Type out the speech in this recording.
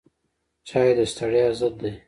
چای د ستړیا ضد دی